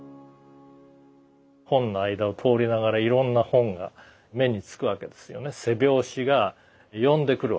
本の間を通りながらいろんな本が目につくわけですよね。